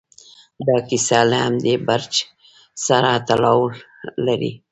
دا کیسه له همدې برج سره تړاو لري.